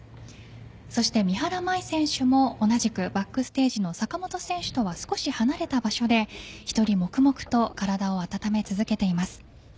そして、三原舞依選手も同じくバックステージの坂本選手とは少し離れた場所で１人黙々と体を温め続けています。